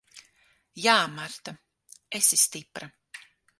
Jā, Marta. Esi stipra.